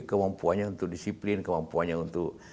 kemampuannya untuk disiplin kemampuannya untuk